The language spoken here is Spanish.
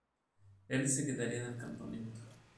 El se quedaría en el campamento.